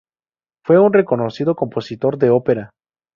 Fue un reconocido compositor de ópera.